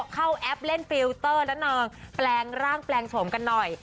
เข้าแอปเล่นฟิลเตอร์แล้วนอนแปลงร่างชมกันหน่อย